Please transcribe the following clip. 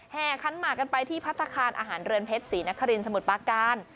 แห่ขั้นหมากันไปที่พัชฏคาตอาหารเรือนเพชรศรีนาครินสมุทรป่ากราน